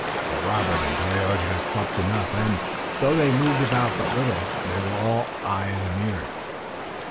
But Robert and Tayoga had slept enough, and, though they moved about but little, they were all eyes and ears.